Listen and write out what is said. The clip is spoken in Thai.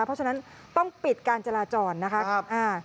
เพราะฉะนั้นต้องปิดการจราจรนะคะ